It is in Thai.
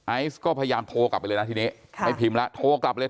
ไอซ์ก็พยายามโทรกลับไปเลยนะทีนี้ไม่พิมพ์แล้วโทรกลับเลย